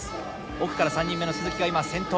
奥から３人目の鈴木が今先頭。